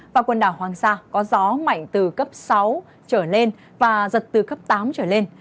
và quần đảo hoàng sa có gió mạnh từ cấp sáu trở lên và giật từ cấp tám trở lên